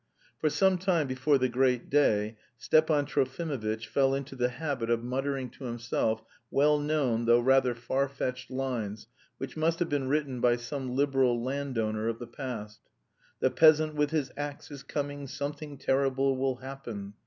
For some time before the great day Stepan Trofimovitch fell into the habit of muttering to himself well known, though rather far fetched, lines which must have been written by some liberal landowner of the past: "The peasant with his axe is coming, _Something terrible will happen."